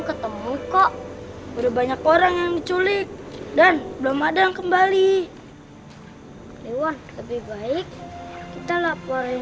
ketemu kok udah banyak orang yang culik dan belum ada yang kembali wah lebih baik kita laporin